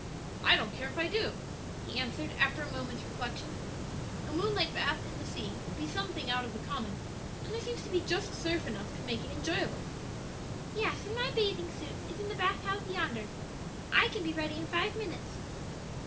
"I don't care if I do," he answered, after a moment's reflection: "a moonlight bath in the sea would be something out of the common; and there seems to be just surf enough to make it enjoyable." "Yes; and my bathing suit is in the bath house yonder. I can be ready in five minutes."